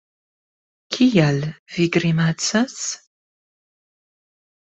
Kial vi grimacas?